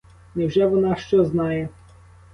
Невже вона що знає?